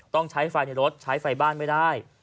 ต้องใช้ไฟในรถใช้ไฟบ้านไม่ได้